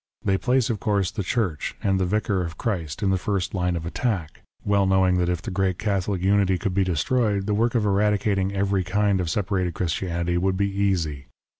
Thay place, of course, the Church and the Vicar of Christ in the first line of attack, well knowing that if the great Catholic unity 14 WAR OF ANTICHRIST WITH THE CHURCH, could be destroyed, the work of eradicating every kind of separated Christianity would be easy.